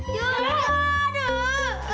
bawa buka buka